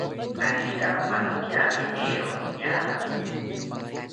Aririka nomanakiami, eero piñaanami